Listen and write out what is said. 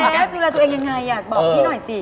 ดูแลตัวเองยังไงอยากบอกพี่หน่อยสิ